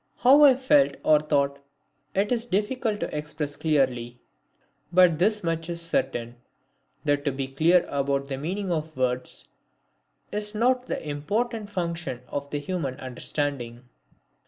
How I felt or thought it is difficult to express clearly, but this much is certain that to be clear about the meaning of words is not the most important function of the human understanding.